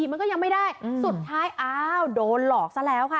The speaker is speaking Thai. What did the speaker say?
มันก็ยังไม่ได้สุดท้ายอ้าวโดนหลอกซะแล้วค่ะ